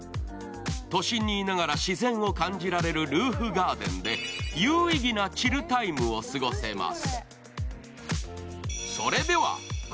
都心にいながら自然を感じられるルーフガーデンで有意義なチルタイムを過ごせます。